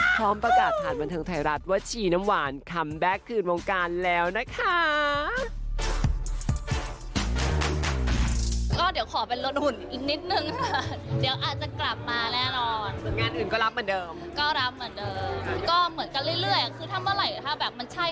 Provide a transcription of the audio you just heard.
พร้อมประกาศผ่านบันเทิงไทยรัฐว่าชีน้ำหวานคัมแบ็คคืนวงการแล้วนะคะ